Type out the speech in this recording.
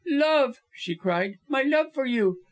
"Love," she cried; "my love for you.